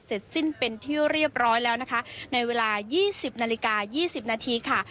เสร็จสิ้นเป็นที่เรียบร้อยแล้วนะคะในเวลา๒๐นาฬิกา๒๐นาทีค่ะ